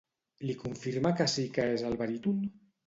Li confirma que sí que és el baríton?